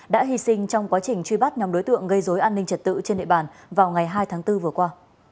đã hy sinh trong quá trình truy bắt nhóm đối tượng gây dối an ninh trật tự trên địa bàn vào ngày hai tháng bốn vừa qua